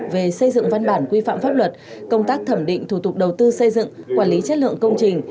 về xây dựng văn bản quy phạm pháp luật công tác thẩm định thủ tục đầu tư xây dựng quản lý chất lượng công trình